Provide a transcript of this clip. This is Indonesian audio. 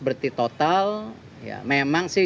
berhenti total memang sih